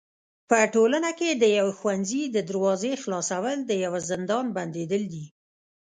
په ټولنه کي د يوي ښوونځي د دروازي خلاصول د يوه زندان بنديدل دي.